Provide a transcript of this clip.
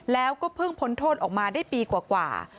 แล้วก็เพิ่งพ้นโทษออกมาได้ปีกว่า